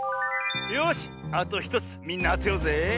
よしあと１つみんなあてようぜ。